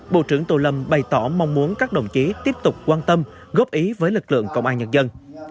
bộ trưởng tô lâm bày tỏ mong muốn các đồng chí tiếp tục quan tâm góp ý với lực lượng công an nhân dân